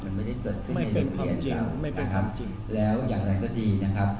มันไม่ได้เกิดขึ้นในเรียนต่างแล้วอย่างนั้นก็ดีนะครับ